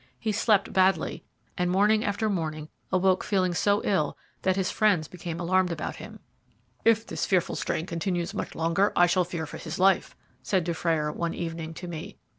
He slept badly, and morning after morning awoke feeling so ill that his friends became alarmed about him. "If this fearful strain continues much longer I shall fear for his life," said Dufrayer, one evening, to me.